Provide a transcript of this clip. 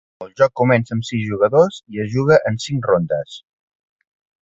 El joc comença amb sis jugadors i es juga en cinc rondes.